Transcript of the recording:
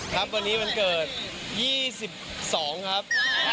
ครับวันนี้วันเกิด๒๒ครับ